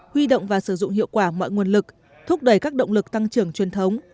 huy động và sử dụng hiệu quả mọi nguồn lực thúc đẩy các động lực tăng trưởng truyền thống